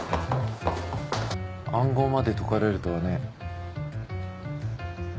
暗号まで解かれるとはね。